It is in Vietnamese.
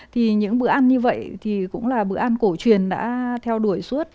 thì những bữa ăn như vậy thì cũng là bữa ăn cổ truyền đã theo đuổi suốt